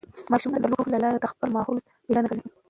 ماشومان د لوبو له لارې د خپل ماحول پېژندنه زده کوي.